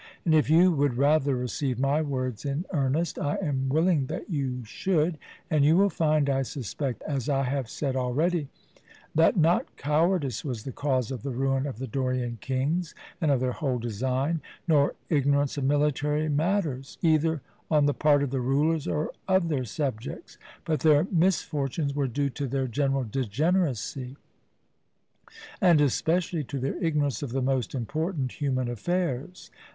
And if you would rather receive my words in earnest, I am willing that you should; and you will find, I suspect, as I have said already, that not cowardice was the cause of the ruin of the Dorian kings and of their whole design, nor ignorance of military matters, either on the part of the rulers or of their subjects; but their misfortunes were due to their general degeneracy, and especially to their ignorance of the most important human affairs.